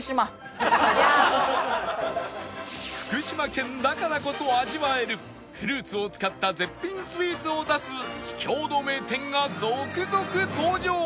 福島県だからこそ味わえるフルーツを使った絶品スイーツを出す秘境の名店が続々登場！